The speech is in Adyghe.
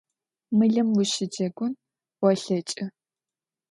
Мылым ущыджэгун олъэкӏы.